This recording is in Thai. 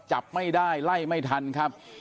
จับไม่ได้ไล่ไม่ทันครับ